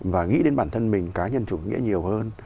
và nghĩ đến bản thân mình cá nhân chủ nghĩa nhiều hơn